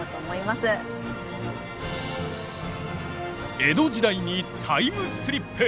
江戸時代にタイムスリップ！